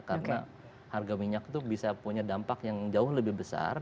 karena harga minyak itu bisa punya dampak yang jauh lebih besar